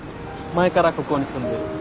前からここに住んでる。